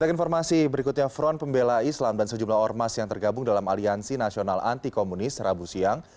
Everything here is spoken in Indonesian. kita ke informasi berikutnya front pembela islam dan sejumlah ormas yang tergabung dalam aliansi nasional anti komunis rabu siang